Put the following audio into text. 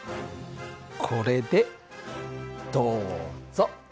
これでどうぞ。